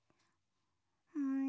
うん？